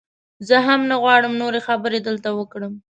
زه هم نه غواړم نورې خبرې دلته وکړم.